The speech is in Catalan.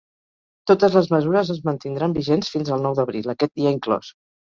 Totes les mesures es mantindran vigents fins al nou d’abril, aquest dia inclòs.